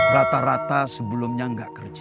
rata rata sebelumnya nggak kerja